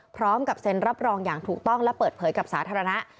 พร้อมกับเซ็นรับรองอย่างถูกต้องและเปิดเผยกับสาธารณะ